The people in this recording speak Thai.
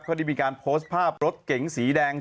ได้มีการโพสต์ภาพรถเก๋งสีแดง